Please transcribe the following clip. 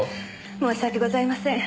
申し訳ございません。